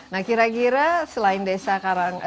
nah kira kira selain desa dusun karanggara